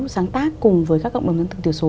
sáng tác cùng với các cộng đồng dân tộc thiểu số